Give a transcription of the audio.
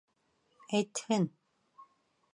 Әйтһен.